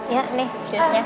ya nih jusnya